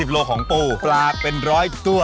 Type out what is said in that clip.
๓๐๔๐โลกรัมของปูปลาเป็นร้อยตัว